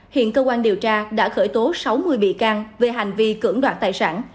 hiện cơ quan điều tra đã khởi tố sáu mươi bị can về hành vi cưỡng đoạt tài sản